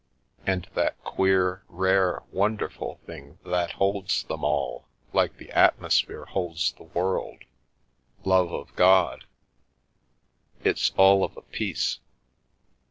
And that queer, rare, wonderful thing that holds them all, like the atmosphere holds the world — love of God. It's all of a piece.